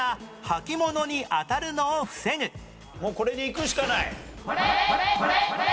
もうこれでいくしかない。